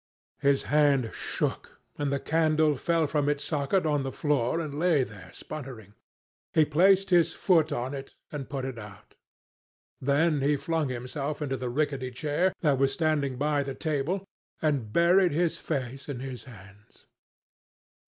His hand shook, and the candle fell from its socket on the floor and lay there sputtering. He placed his foot on it and put it out. Then he flung himself into the rickety chair that was standing by the table and buried his face in his hands.